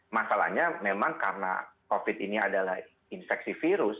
masalahnya memang karena covid ini adalah infeksi virus